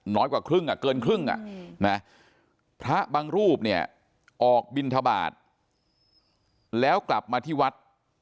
กว่าครึ่งอ่ะเกินครึ่งอ่ะนะพระบางรูปเนี่ยออกบินทบาทแล้วกลับมาที่วัด